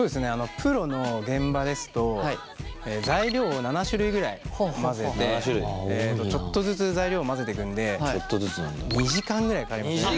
プロの現場ですと材料を７種類ぐらい混ぜてちょっとずつ材料を混ぜてくんで２時間ぐらいかかりますね